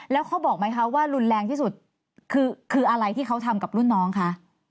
แล้วเขาบอกไหมคะว่ารุนแรงที่สุดคืออะไรที่เขาทำกับรุ่นน้องคะ